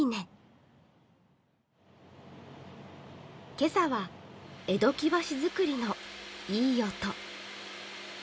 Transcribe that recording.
今朝は、江戸木箸作りのいい音。